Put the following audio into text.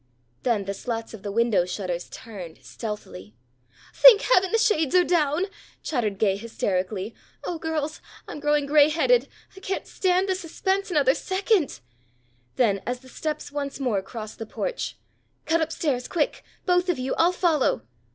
Then the slats of the window shutters turned stealthily. "Thank heaven the shades are down!" chattered Gay hysterically. "Oh, girls, I'm growing gray headed. I can't stand this suspense another second." Then as the steps once more crossed the porch, "Cut up stairs! Quick! Both of you! I'll follow."